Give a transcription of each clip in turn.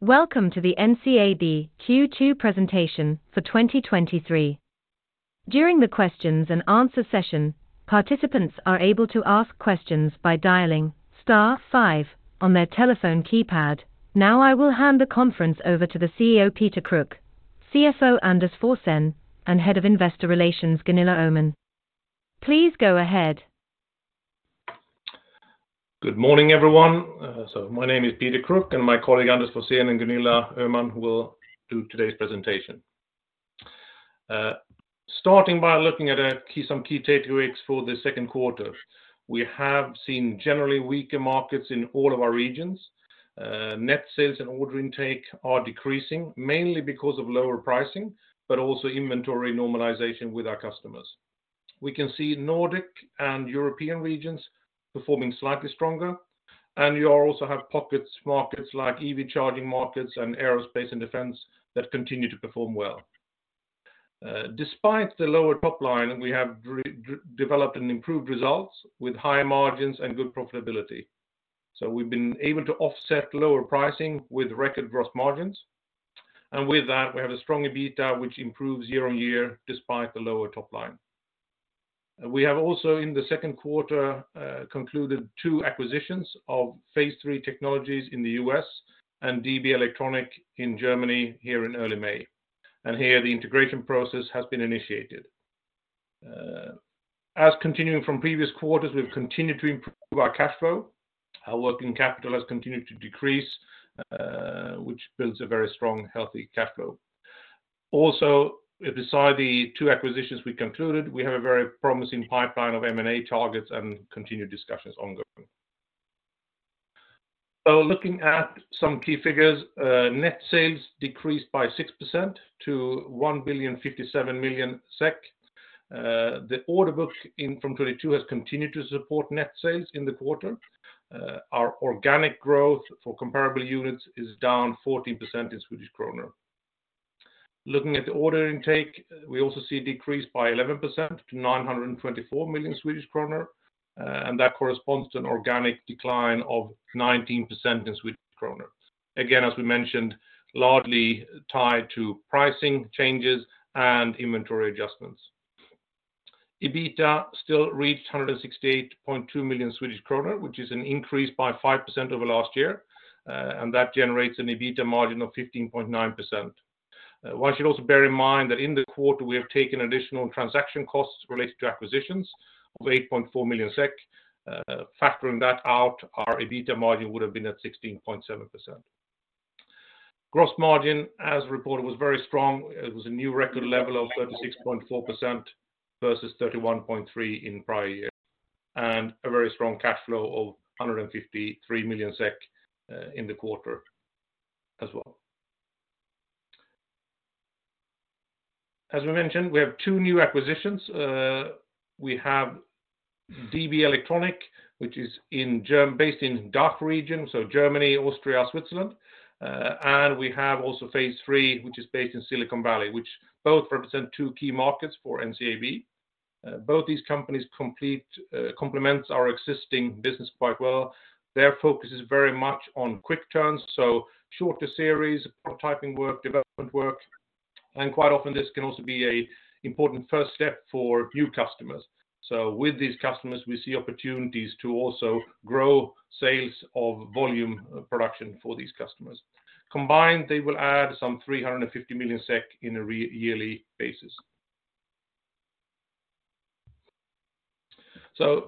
Welcome to the NCAB Q2 presentation for 2023. During the questions and answer session, participants are able to ask questions by dialing star five on their telephone keypad. I will hand the conference over to the CEO, Peter Kruk, CFO, Anders Forsén, and Head of Investor Relations, Gunilla Öhman. Please go ahead. Good morning, everyone. My name is Peter Kruk, and my colleague, Anders Forsén, and Gunilla Öhman, will do today's presentation. Starting by looking at some key takeaways for the Q2. We have seen generally weaker markets in all of our regions. Net sales and order intake are decreasing, mainly because of lower pricing, but also inventory normalization with our customers. We can see Nordic and European regions performing slightly stronger, you also have pockets, markets like EV charging markets and aerospace and defense that continue to perform well. Despite the lower top line, we have developed and improved results with higher margins and good profitability. We've been able to offset lower pricing with record gross margins, and with that, we have a strong EBITDA, which improves year-over-year despite the lower top line. We have also, in the Q2, concluded two acquisitions of Phase 3 Technologies in the US and DB electronic in Germany here in early May. Here the integration process has been initiated. As continuing from previous quarters, we've continued to improve our cash flow. Our working capital has continued to decrease, which builds a very strong, healthy cash flow. Beside the two acquisitions we concluded, we have a very promising pipeline of M&A targets and continued discussions ongoing. Looking at some key figures, net sales decreased by 6% to 1,057 billion SEK. The order book in from 2022 has continued to support net sales in the quarter. Our organic growth for comparable units is down 14% in Swedish krona. Looking at the order intake, we also see a decrease by 11% to 924 million Swedish kronor. That corresponds to an organic decline of 19% in SEK. Again, as we mentioned, largely tied to pricing changes and inventory adjustments. EBITDA still reached 168.2 million Swedish kronor, which is an increase by 5% over last year. That generates an EBITDA margin of 15.9%. One should also bear in mind that in the quarter, we have taken additional transaction costs related to acquisitions of 8.4 million SEK. Factoring that out, our EBITDA margin would have been at 16.7%. Gross margin, as reported, was very strong. It was a new record level of 36.4% versus 31.3% in prior year. A very strong cash flow of 153 million SEK in the quarter as well. As we mentioned, we have two new acquisitions. We have DB electronic, which is based in DACH region, so Germany, Austria, Switzerland, and we have also Phase 3, which is based in Silicon Valley, which both represent two key markets for NCAB. Both these companies complete complements our existing business quite well. Their focus is very much on quick turns, so shorter series, prototyping work, development work, and quite often this can also be a important first step for new customers. With these customers, we see opportunities to also grow sales of volume production for these customers. Combined, they will add some 350 million SEK in a yearly basis.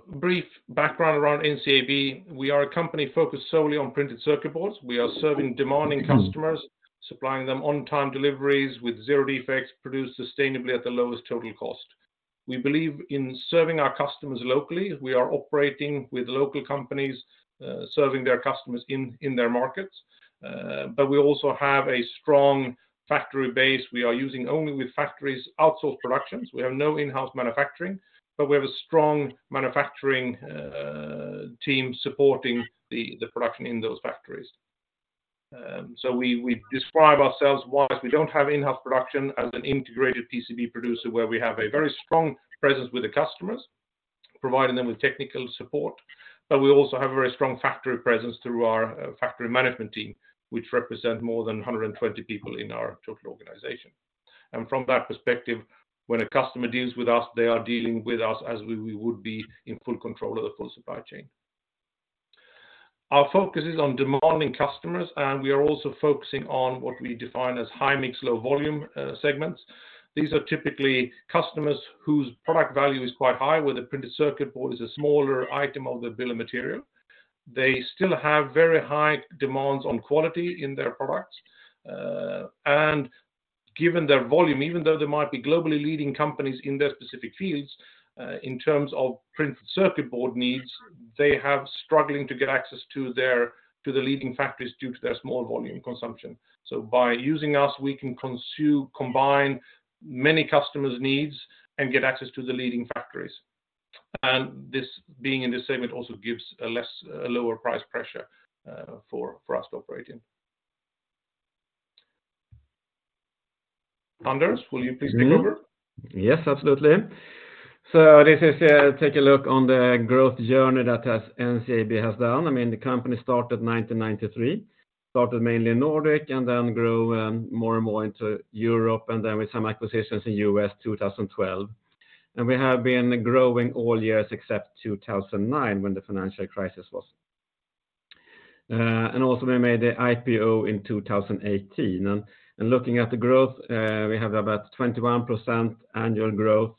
Brief background around NCAB. We are a company focused solely on printed circuit boards. We are serving demanding customers, supplying them on-time deliveries with zero defects, produced sustainably at the lowest total cost. We believe in serving our customers locally. We are operating with local companies, serving their customers in their markets, but we also have a strong factory base. We are using only with factories, outsourced productions. We have no in-house manufacturing, but we have a strong manufacturing team supporting the production in those factories. We describe ourselves while we don't have in-house production as an integrated PCB producer, where we have a very strong presence with the customers, providing them with technical support, but we also have a very strong factory presence through our factory management team, which represent more than 120 people in our total organization. From that perspective, when a customer deals with us, they are dealing with us as we would be in full control of the full supply chain. Our focus is on demanding customers, and we are also focusing on what we define as high-mix, low-volume segments. These are typically customers whose product value is quite high, where the printed circuit board is a smaller item of the bill of materials. They still have very high demands on quality in their products, and given their volume, even though they might be globally leading companies in their specific fields, in terms of printed circuit board needs, they have struggling to get access to the leading factories due to their small volume consumption. By using us, we can consume, combine many customers' needs and get access to the leading factories. This, being in this segment, also gives a lower price pressure for us to operate in. Anders, will you please take over? Yes, absolutely. This is, take a look on the growth journey that NCAB has done. I mean, the company started in 1993, started mainly in Nordic, and then grew more and more into Europe, and then with some acquisitions in U.S., 2012. We have been growing all years except 2009, when the financial crisis was. We made the IPO in 2018. Looking at the growth, we have about 21% annual growth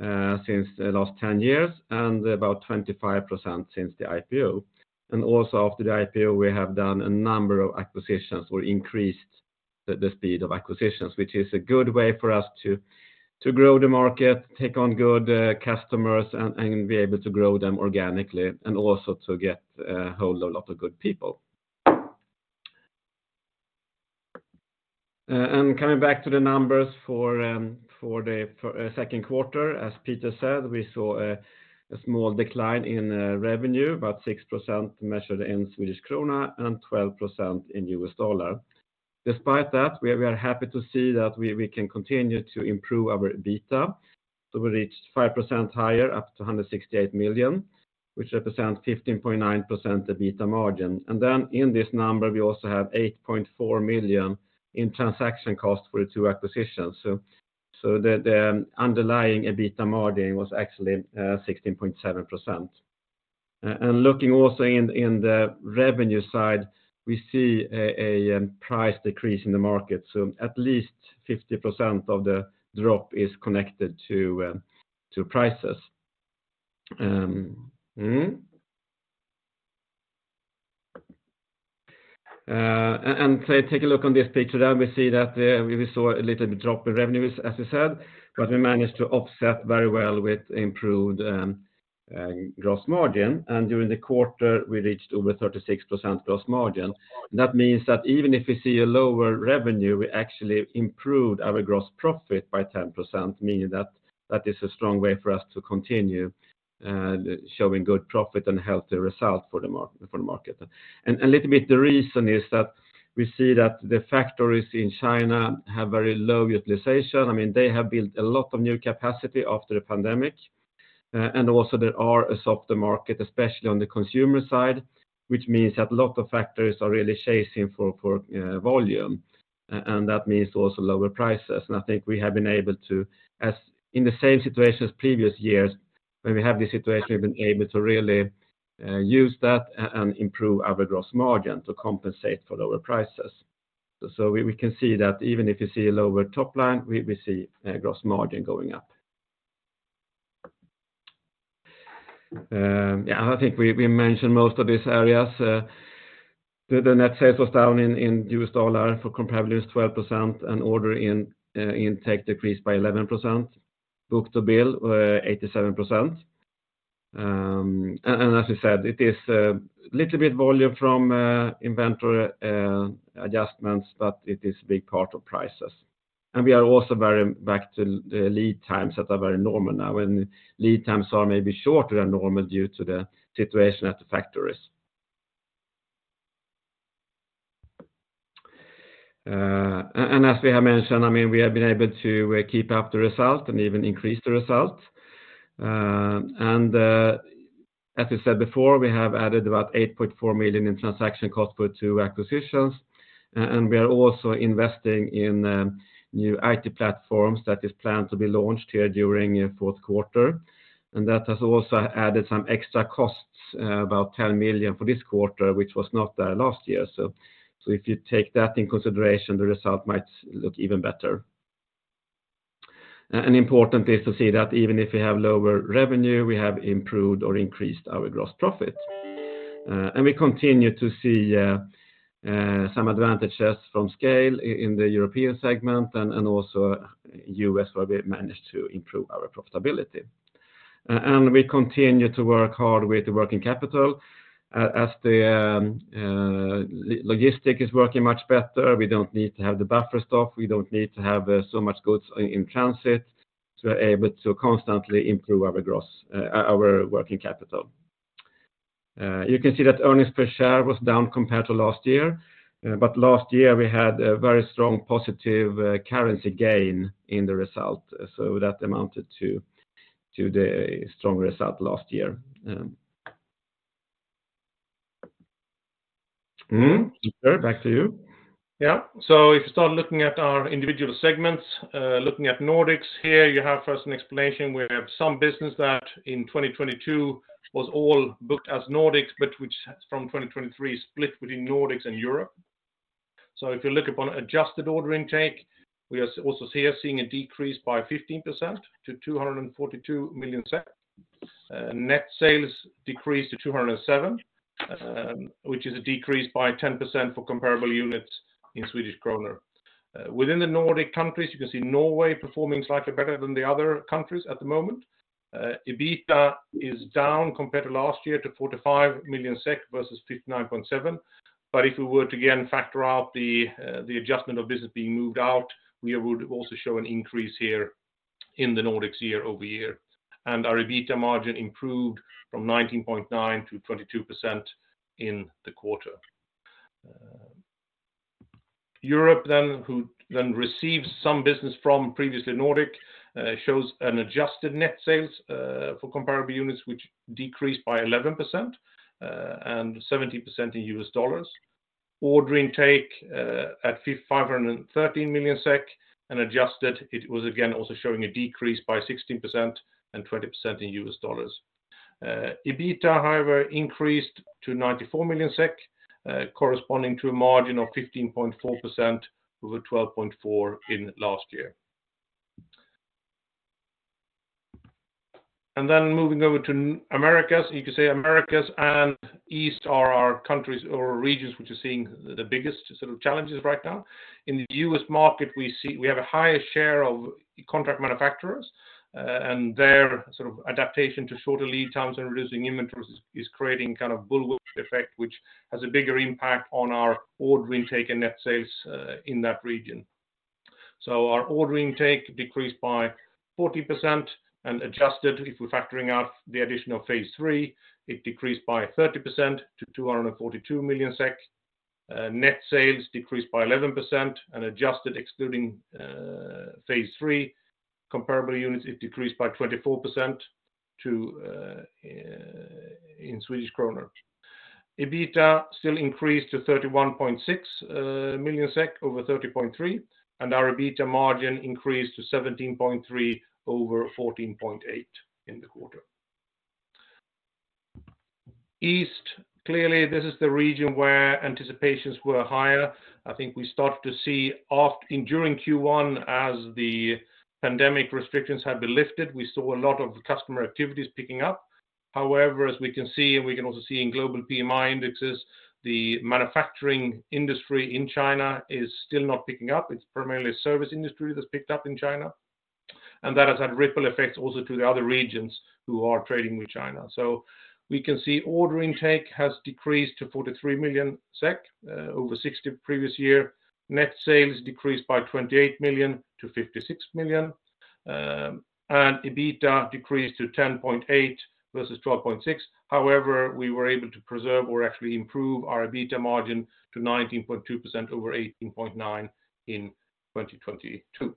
since the last 10 years, and about 25% since the IPO. Also after the IPO, we have done a number of acquisitions or increased the speed of acquisitions, which is a good way for us to grow the market, take on good customers, and be able to grow them organically, and also to get hold a lot of good people. Coming back to the numbers for the Q2, as Peter said, we saw a small decline in revenue, about 6% measured in SEK and 12% in US dollar. Despite that, we are very happy to see that we can continue to improve our EBITDA. We reached 5% higher, up to 168 million, which represents 15.9% EBITDA margin. In this number, we also have 8.4 million in transaction costs for the two acquisitions. The underlying EBITDA margin was actually 16.7%. Looking also in the revenue side, we see a price decrease in the market, so at least 50% of the drop is connected to prices. Take a look on this picture, then we see that we saw a little bit drop in revenues, as I said, but we managed to offset very well with improved gross margin. During the quarter, we reached over 36% gross margin. That means that even if we see a lower revenue, we actually improved our gross profit by 10%, meaning that is a strong way for us to continue showing good profit and healthy results for the market. A little bit the reason is that we see that the factories in China have very low utilization. I mean, they have built a lot of new capacity after the pandemic, and also there are a softer market, especially on the consumer side, which means that a lot of factories are really chasing for volume, and that means also lower prices. I think we have been able to, as in the same situation as previous years, when we have this situation, we've been able to really use that and improve our gross margin to compensate for lower prices. We can see that even if you see a lower top line, we see gross margin going up. Yeah, I think we mentioned most of these areas. The net sales was down in US dollar for comparables, 12%, and order intake decreased by 11%. Book-to-bill, 87%. As I said, it is little bit volume from inventory adjustments, but it is big part of prices. We are also very back to the lead times that are very normal now, and lead times are maybe shorter than normal due to the situation at the factories. And as we have mentioned, I mean, we have been able to keep up the result and even increase the result. As I said before, we have added about 8.4 million in transaction costs for two acquisitions, and we are also investing in new IT platforms that is planned to be launched here during Q4. That has also added some extra costs, about 10 million for this quarter, which was not there last year. If you take that into consideration, the result might look even better. Importantly, to see that even if we have lower revenue, we have improved or increased our gross profit. We continue to see some advantages from scale in the European segment and also US, where we managed to improve our profitability. We continue to work hard with the working capital. As the logistic is working much better, we don't need to have the buffer stock, we don't need to have so much goods in transit, we're able to constantly improve our gross, our working capital. Earnings per share was down compared to last year. Last year, we had a very strong positive currency gain in the result. That amounted to the strong result last year. Peter, back to you. If you start looking at our individual segments, looking at Nordics, here you have first an explanation. We have some business that in 2022 was all booked as Nordics, which from 2023, split within Nordics and Europe. If you look upon adjusted order intake, we are also here seeing a decrease by 15% to 242 million. Net sales decreased to 207 million, which is a decrease by 10% for comparable units in Swedish krona. Within the Nordic countries, you can see Norway performing slightly better than the other countries at the moment. EBITDA is down compared to last year to 45 million SEK versus 59.7 million. If we were to, again, factor out the adjustment of business being moved out, we would also show an increase here. in the Nordics year-over-year, our EBITDA margin improved from 19.9% to 22% in the quarter. Europe then, who then receives some business from previously Nordic, shows an adjusted net sales for comparable units, which decreased by 11% and 70% in USD. Order intake, at 513 million SEK, adjusted, it was again, also showing a decrease by 16% and 20% in USD. EBITDA, however, increased to 94 million SEK, corresponding to a margin of 15.4% over 12.4% in last year. Moving over to Americas, you could say Americas and East are our countries or regions, which are seeing the biggest sort of challenges right now. In the US market, we see we have a higher share of contract manufacturers, and their sort of adaptation to shorter lead times and reducing inventories is creating kind of bullwhip effect, which has a bigger impact on our order intake and net sales in that region. Our order intake decreased by 40% and adjusted, if we're factoring out the additional Phase 3, it decreased by 30% to 242 million SEK. Net sales decreased by 11% and adjusted, excluding Phase 3 comparable units, it decreased by 24% to, in Swedish kronor. EBITDA still increased to 31.6 million SEK over 30.3 million, and our EBITDA margin increased to 17.3% over 14.8% in the quarter. East, clearly, this is the region where anticipations were higher. I think we started to see off in during Q1, as the pandemic restrictions had been lifted, we saw a lot of customer activities picking up. As we can see, and we can also see in global PMI indexes, the manufacturing industry in China is still not picking up. It's primarily service industry that's picked up in China, and that has had ripple effects also to the other regions who are trading with China. We can see order intake has decreased to 43 million SEK, over 60 million previous year. Net sales decreased by 28 million to 56 million, and EBITDA decreased to 10.8 million versus 12.6 million. We were able to preserve or actually improve our EBITDA margin to 19.2% over 18.9% in 2022.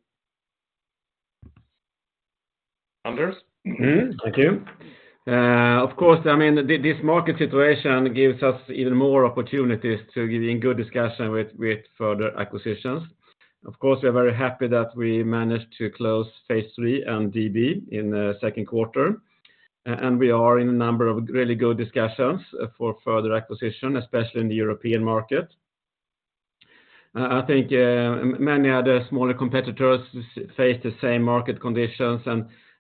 Anders? Thank you. I mean, this market situation gives us even more opportunities to be in good discussion with further acquisitions. Of course, we are very happy that we managed to close Phase 3 and DB in the Q2, and we are in a number of really good discussions for further acquisition, especially in the European market. I think many other smaller competitors face the same market conditions,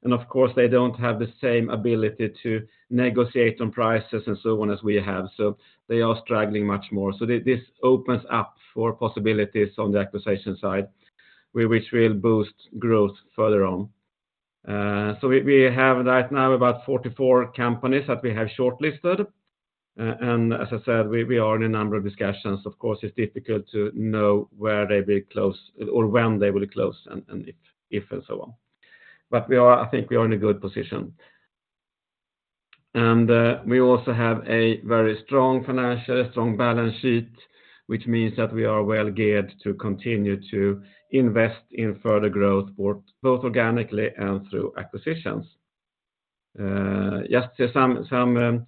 and of course, they don't have the same ability to negotiate on prices and so on as we have, so they are struggling much more. This opens up for possibilities on the acquisition side, where which will boost growth further on. We have right now about 44 companies that we have shortlisted, and as I said, we are in a number of discussions. Of course, it's difficult to know where they will close or when they will close, and if and so on. I think we are in a good position. We also have a very strong financial, strong balance sheet, which means that we are well geared to continue to invest in further growth for both organically and through acquisitions. Just some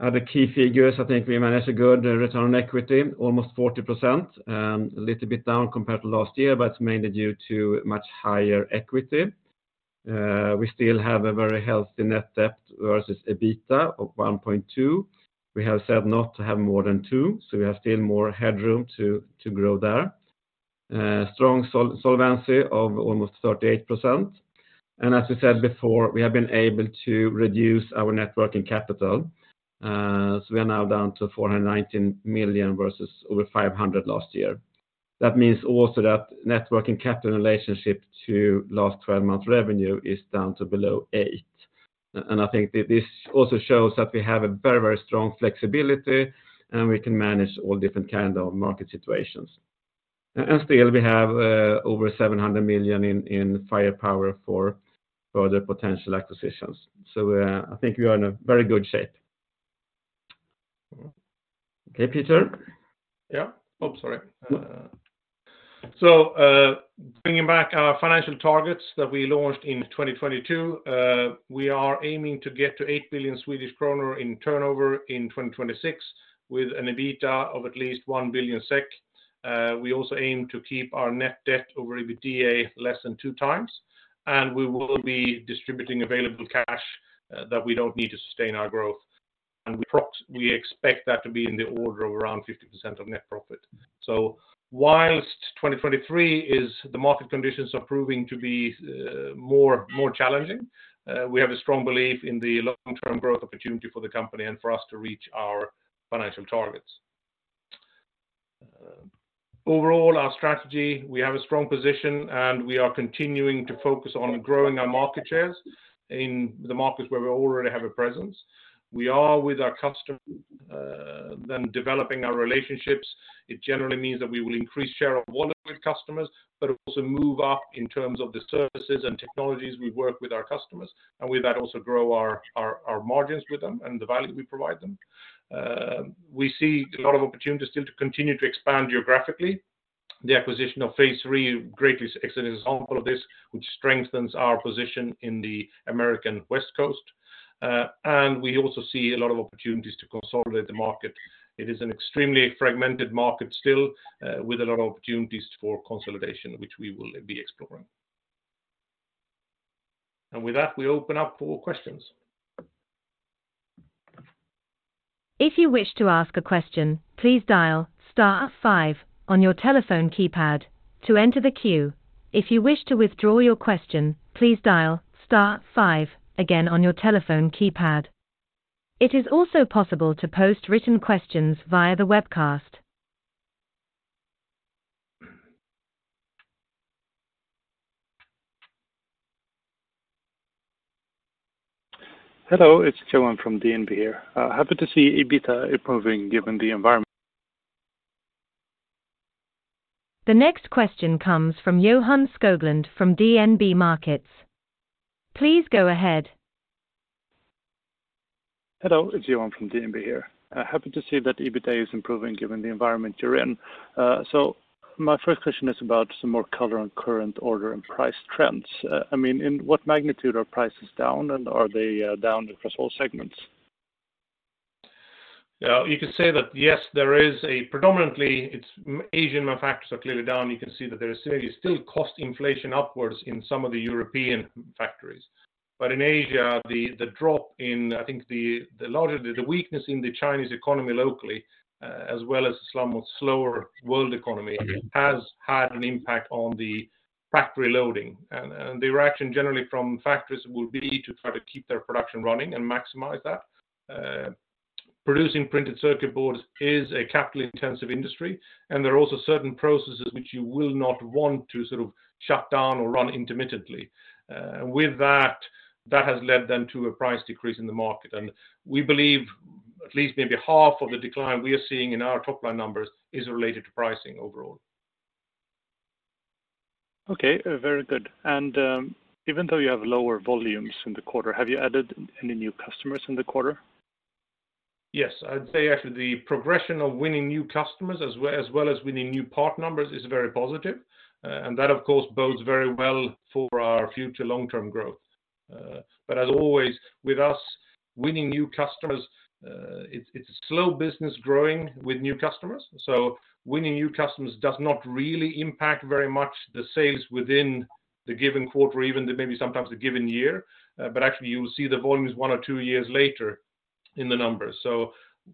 other key figures, I think we managed a good return on equity, almost 40%, and a little bit down compared to last year, but it's mainly due to much higher equity. We still have a very healthy net debt versus EBITDA of 1.2. We have said not to have more than 2, so we have still more headroom to grow there. Strong solvency of almost 38%. As we said before, we have been able to reduce our net working capital, so we are now down to 419 million versus over 500 million last year. That means also that net working capital relationship to last 12 months revenue is down to below 8. I think this also shows that we have a very, very strong flexibility, and we can manage all different kind of market situations. Still, we have over 700 million in firepower for further potential acquisitions. I think we are in a very good shape. Okay, Peter? Yeah. Oh, sorry. Bringing back our financial targets that we launched in 2022, we are aiming to get to 8 billion Swedish kronor in turnover in 2026, with an EBITDA of at least 1 billion SEK. We also aim to keep our net debt over EBITDA less than 2 times, and we expect that to be in the order of around 50% of net profit. Whilst 2023 is the market conditions are proving to be more challenging, we have a strong belief in the long-term growth opportunity for the company and for us to reach our financial targets. Overall, our strategy, we have a strong position, and we are continuing to focus on growing our market shares in the markets where we already have a presence. We are with our customer, then developing our relationships. It generally means that we will increase share of wallet with customers, but also move up in terms of the services and technologies we work with our customers, and with that, also grow our margins with them and the value we provide them. We see a lot of opportunities still to continue to expand geographically. The acquisition of Phase 3 greatly is an excellent example of this, which strengthens our position in the American West Coast. We also see a lot of opportunities to consolidate the market. It is an extremely fragmented market still, with a lot of opportunities for consolidation, which we will be exploring. With that, we open up for questions. If you wish to ask a question, please dial star five on your telephone keypad to enter the queue. If you wish to withdraw your question, please dial star five again on your telephone keypad. It is also possible to post written questions via the webcast. Hello, it's Johan from DNB here. Happy to see EBITDA improving given the environment. The next question comes from Johan Skoglund from DNB Markets. Please go ahead. Hello, it's Johan from DNB here. Happy to see that EBITDA is improving given the environment you're in. My first question is about some more color on current order and price trends. I mean, in what magnitude are prices down, and are they down across all segments? Yeah, you can say that, yes, there is a predominantly, it's Asian manufacturers are clearly down. You can see that there is still cost inflation upwards in some of the European factories. But in Asia, the drop in, I think, the larger, the weakness in the Chinese economy locally, as well as some of slower world economy, has had an impact on the factory loading. The reaction generally from factories will be to try to keep their production running and maximize that. Producing printed circuit boards is a capital-intensive industry, and there are also certain processes which you will not want to sort of shut down or run intermittently. With that has led then to a price decrease in the market. We believe at least maybe half of the decline we are seeing in our top-line numbers is related to pricing overall. Okay, very good. Even though you have lower volumes in the quarter, have you added any new customers in the quarter? Yes. I'd say actually, the progression of winning new customers, as well as winning new part numbers is very positive. That, of course, bodes very well for our future long-term growth. As always, with us, winning new customers, it's a slow business growing with new customers. Winning new customers does not really impact very much the sales within the given quarter, even maybe sometimes the given year. Actually, you will see the volumes one or two years later in the numbers.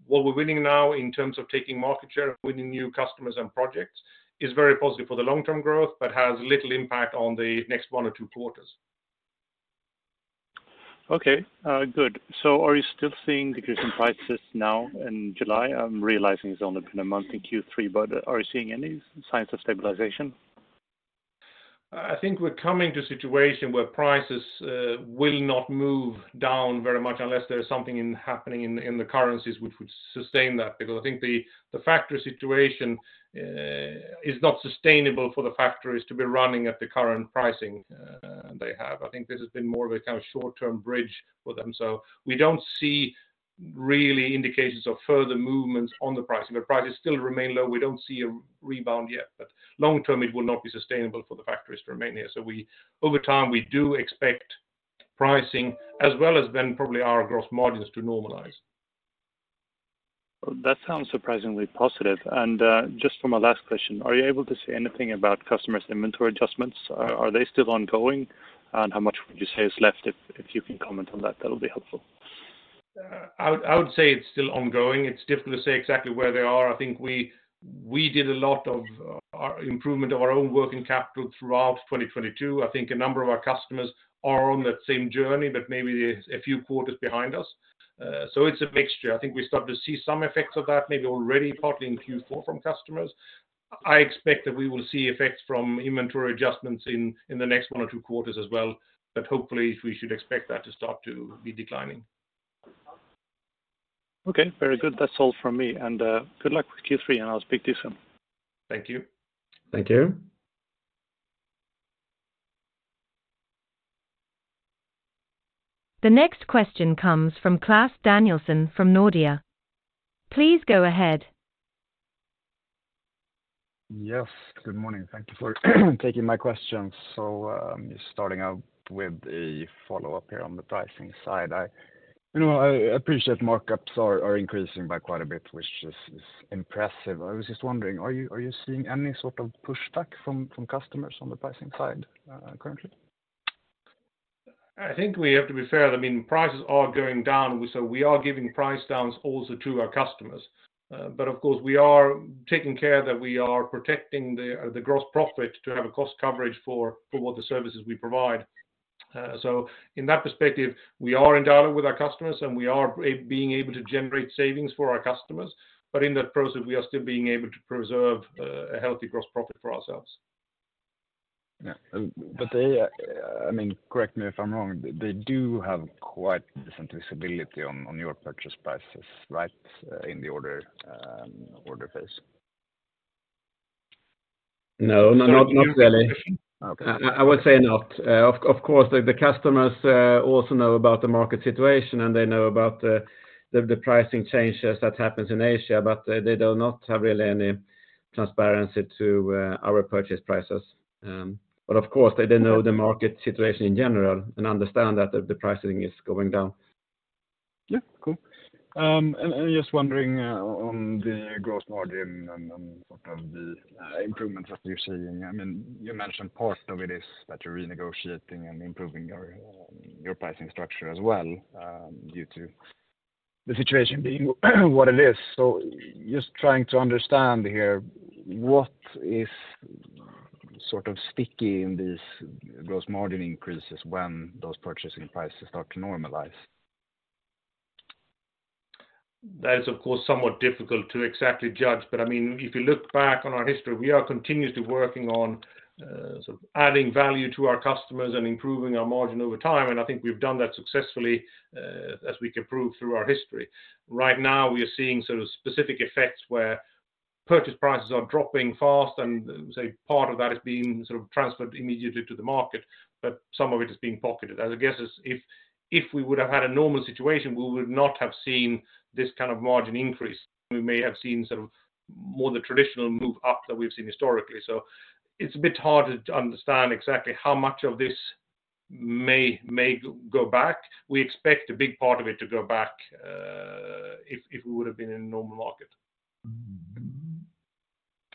What we're winning now in terms of taking market share, winning new customers and projects, is very positive for the long-term growth, but has little impact on the next one or two quarters. Okay, good. Are you still seeing decrease in prices now in July? I'm realizing it's only been a month in Q3, but are you seeing any signs of stabilization? I think we're coming to a situation where prices will not move down very much unless there is something happening in the currencies which would sustain that. I think the factory situation is not sustainable for the factories to be running at the current pricing they have. I think this has been more of a short-term bridge for them. We don't see really indications of further movements on the pricing, but prices still remain low. We don't see a rebound yet, but long term, it will not be sustainable for the factories to remain here. Over time, we do expect pricing, as well as then probably our gross margins to normalize. That sounds surprisingly positive. Just for my last question, are you able to say anything about customers' inventory adjustments? Are they still ongoing? How much would you say is left, if you can comment on that'll be helpful. I would say it's still ongoing. It's difficult to say exactly where they are. I think we did a lot of improvement of our own working capital throughout 2022. I think a number of our customers are on that same journey, but maybe a few quarters behind us. It's a mixture. I think we start to see some effects of that, maybe already partly in Q4 from customers. I expect that we will see effects from inventory adjustments in the next one or two quarters as well, but hopefully, we should expect that to start to be declining. Okay, very good. That's all from me. Good luck with Q3, and I'll speak to you soon. Thank you. Thank you. The next question comes from Klas Danielsson from Nordea. Please go ahead. Yes, good morning. Thank you for taking my questions. Just starting out with a follow-up here on the pricing side. I, you know, I appreciate markups are increasing by quite a bit, which is impressive. I was just wondering, are you, are you seeing any sort of pushback from customers on the pricing side currently? I think we have to be fair. I mean, prices are going down, so we are giving price downs also to our customers. Of course, we are taking care that we are protecting the gross profit to have a cost coverage for what the services we provide. In that perspective, we are in dialogue with our customers, and we are being able to generate savings for our customers. In that process, we are still being able to preserve a healthy gross profit for ourselves. Yeah, they, I mean, correct me if I'm wrong, they do have quite decent visibility on your purchase prices, right? In the order phase. No, not really. Okay. I would say not. Of course, the customers also know about the market situation, and they know about the pricing changes that happens in Asia, but they do not have really any transparency to our purchase prices. Of course, they do know the market situation in general and understand that the pricing is going down. Yeah, cool. Just wondering on the gross margin and sort of the improvements that you're seeing. I mean, you mentioned part of it is that you're renegotiating and improving your pricing structure as well, due to the situation being what it is. Just trying to understand here, what is sort of sticky in these gross margin increases when those purchasing prices start to normalize? That is, of course, somewhat difficult to exactly judge. I mean, if you look back on our history, we are continuously working on, sort of adding value to our customers and improving our margin over time, and I think we've done that successfully, as we can prove through our history. Right now, we are seeing sort of specific effects where purchase prices are dropping fast, and say part of that is being sort of transferred immediately to the market, but some of it is being pocketed. As I guess, if we would have had a normal situation, we would not have seen this kind of margin increase. We may have seen sort of more the traditional move up that we've seen historically. It's a bit hard to understand exactly how much of this may go back. We expect a big part of it to go back, if we would have been in a normal market.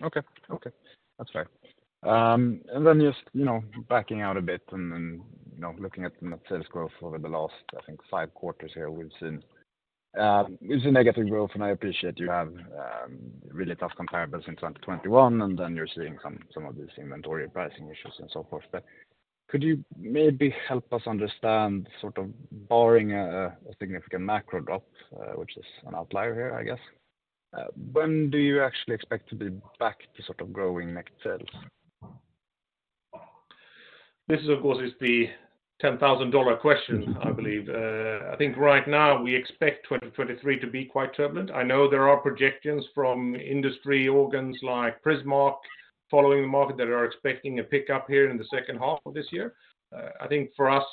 Okay. Okay, that's fair. Just, you know, backing out a bit and then, you know, looking at net sales growth over the last, I think, five quarters here, we've seen negative growth, and I appreciate you have really tough comparables in 2021, and then you're seeing some of these inventory pricing issues and so forth. Could you maybe help us understand, sort of barring a significant macro drop, which is an outlier here, I guess, when do you actually expect to be back to sort of growing net sales? This is, of course, is the $10,000 question, I believe. I think right now we expect 2023 to be quite turbulent. I know there are projections from industry organs like Prismark, following the market, that are expecting a pickup here in the second half of this year. I think for us,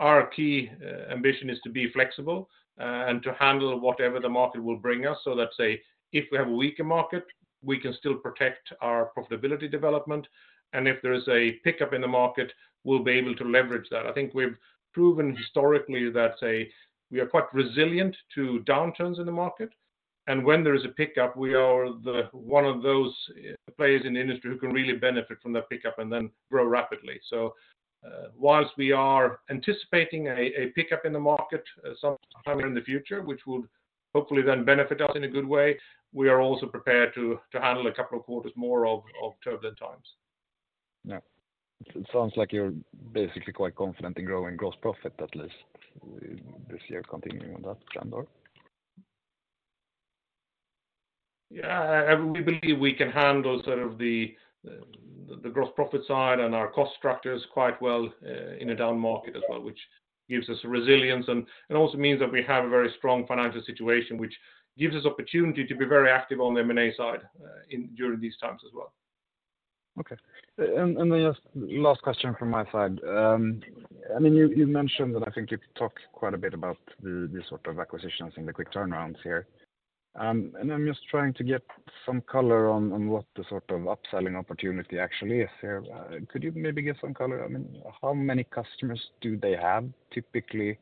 our key ambition is to be flexible and to handle whatever the market will bring us. Let's say, if we have a weaker market, we can still protect our profitability development, and if there is a pickup in the market, we'll be able to leverage that. I think we've proven historically that, say, we are quite resilient to downturns in the market, and when there is a pickup, we are the one of those players in the industry who can really benefit from that pickup and then grow rapidly. Whilst we are anticipating a pickup in the market, some time in the future, which would hopefully then benefit us in a good way, we are also prepared to handle a couple of quarters more of turbulent times. It sounds like you're basically quite confident in growing gross profit, at least, this year, continuing on that standard. Yeah, we believe we can handle sort of the gross profit side and our cost structures quite well in a down market as well, which gives us resilience, and it also means that we have a very strong financial situation, which gives us opportunity to be very active on the M&A side in during these times as well. Okay. Then just last question from my side. I mean, you mentioned, and I think you've talked quite a bit about the sort of acquisitions and the quick turnarounds here. I'm just trying to get some color on what the sort of upselling opportunity actually is here. Could you maybe give some color? I mean, how many customers do they have typically?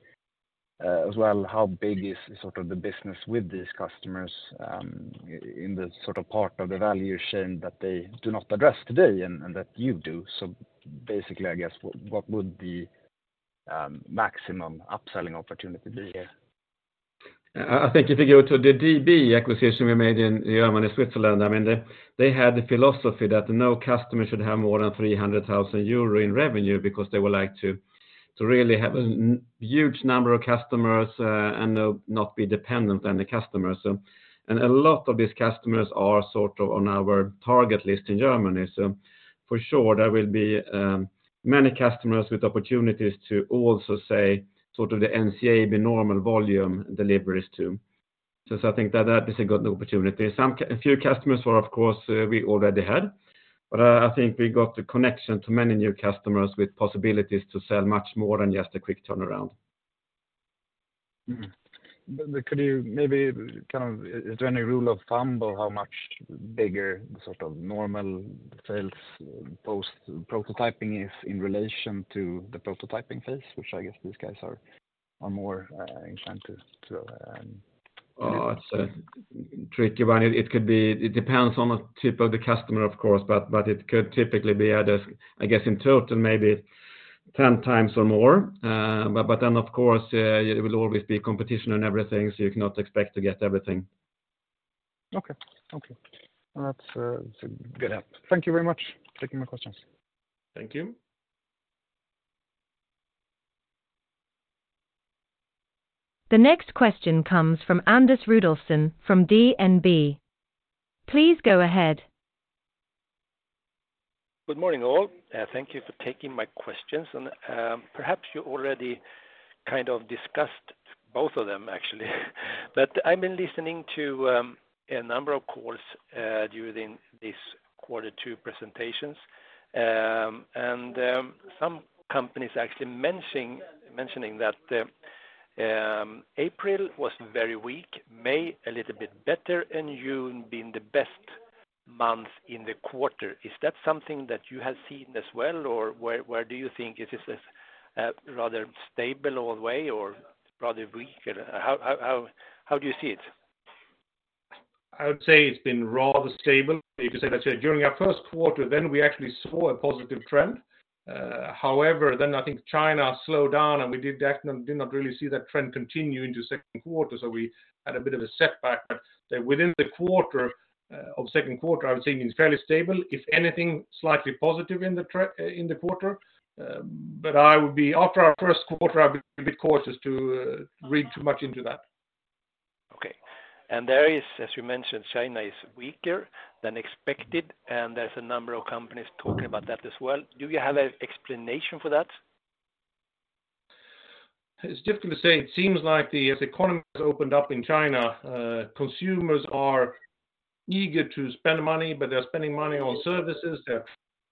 As well, how big is sort of the business with these customers, in the sort of part of the value chain that they do not address today and that you do? Basically, I guess, what would the maximum upselling opportunity be here? I think if you go to the DB electronic acquisition we made in Germany, Switzerland, I mean, they had the philosophy that no customer should have more than 300,000 euro in revenue because they would like to really have a huge number of customers and not be dependent on the customers. A lot of these customers are sort of on our target list in Germany. For sure, there will be many customers with opportunities to also say, sort of the NCAB, be normal volume deliveries to. I think that that is a good opportunity. A few customers were, of course, we already had, but I think we got the connection to many new customers with possibilities to sell much more than just a quick turns. Could you maybe, kind of... Is there any rule of thumb or how much bigger the sort of normal sales post-prototyping is in relation to the prototyping phase, which I guess these guys are more inclined to? It's a tricky one. It depends on the type of the customer, of course, but it could typically be, I just, I guess, in total, maybe 10 times or more. Of course, it will always be competition and everything, so you cannot expect to get everything. Okay, okay. That's a, it's a good help. Thank you very much for taking my questions. Thank you. The next question comes from Anders Rudolfsson from DNB. Please go ahead. Good morning, all, thank you for taking my questions. Perhaps you already kind of discussed both of them, actually. I've been listening to a number of calls during these quarter two presentations. Some companies actually mentioning that April was very weak, May a little bit better, and June being the best month in the quarter. Is that something that you have seen as well, or where do you think it is a rather stable all way or rather weak? How do you see it? I would say it's been rather stable. You could say that during our Q1, then we actually saw a positive trend. I think China slowed down, and we did not really see that trend continue into Q2, so we had a bit of a setback. Within the quarter, of Q2, I would say it's fairly stable, if anything, slightly positive in the quarter. After our Q1, I would be cautious to read too much into that. Okay. There is, as you mentioned, China is weaker than expected. There's a number of companies talking about that as well. Do you have an explanation for that? It's difficult to say. It seems like the, as the economy has opened up in China, consumers are eager to spend money, but they're spending money on services. They're,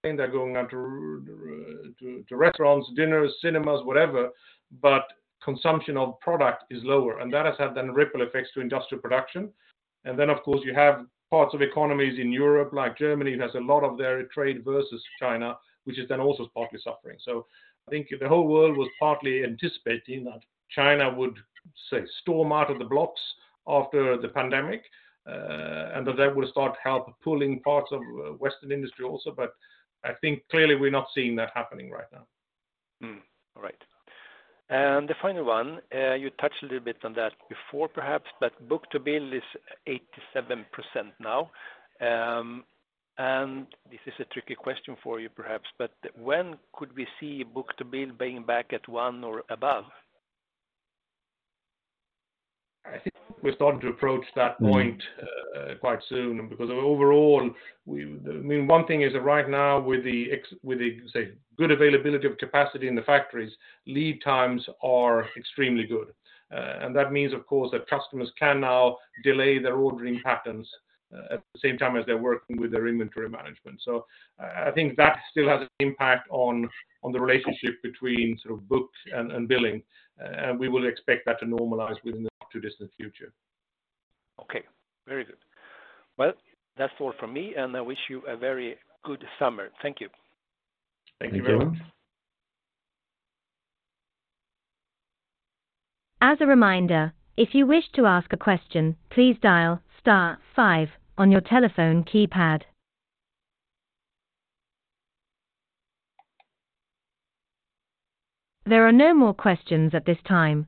and they're going out to restaurants, dinners, cinemas, whatever, but consumption of product is lower, and that has had then ripple effects to industrial production. Then, of course, you have parts of economies in Europe, like Germany, has a lot of their trade versus China, which is then also partly suffering. I think the whole world was partly anticipating that China would, say, storm out of the blocks after the pandemic, and that that would start help pulling parts of western industry also, but I think clearly we're not seeing that happening right now. All right. The final one, you touched a little bit on that before perhaps, but book-to-bill is 87% now. This is a tricky question for you, perhaps, but when could we see book-to-bill being back at 1 or above? I think we're starting to approach that point.... quite soon, because overall, we, I mean, one thing is that right now with the, say, good availability of capacity in the factories, lead times are extremely good. That means, of course, that customers can now delay their ordering patterns at the same time as they're working with their inventory management. I think that still has an impact on the relationship between sort of books and billing. We will expect that to normalize within the not too distant future. Okay, very good. Well, that's all from me, and I wish you a very good summer. Thank you. Thank you very much. As a reminder, if you wish to ask a question, please dial star 5 on your telephone keypad. There are no more questions at this time,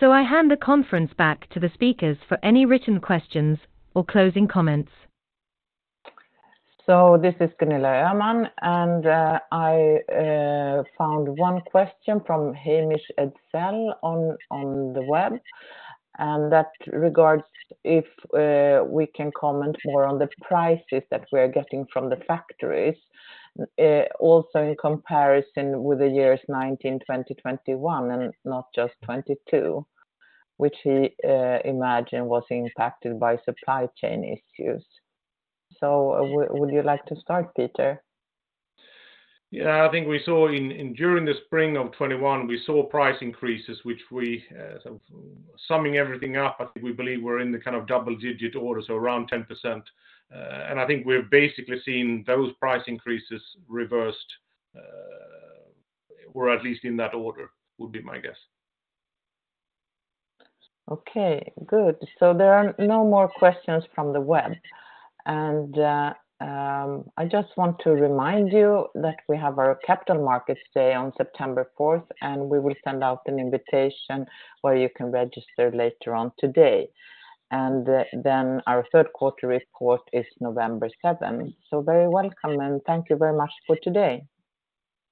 so I hand the conference back to the speakers for any written questions or closing comments. This is Gunilla Öhman, and I found one question from Hampus Engdahl on the web. That regards if we can comment more on the prices that we're getting from the factories, also in comparison with the years 19, 20, 21, and not just 22, which he imagined was impacted by supply chain issues. Would you like to start, Peter? Yeah, I think we saw in during the spring of 2021, we saw price increases, which we, summing everything up, I think we believe were in the kind of double-digit order, so around 10%. I think we're basically seeing those price increases reversed, or at least in that order, would be my guess. Okay, good. There are no more questions from the web. I just want to remind you that we have our Capital Markets Day on 4th September 2023, and we will send out an invitation where you can register later on today. Then our Q3 report is November seventh. Very welcome, and thank you very much for today.